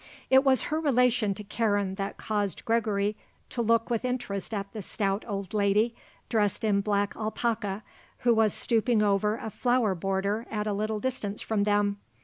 It was her relation to Karen that caused Gregory to look with interest at the stout old lady, dressed in black alpaca, who was stooping over a flower border at a little distance from them.